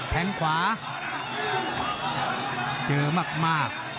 แทงขวาเจอมาก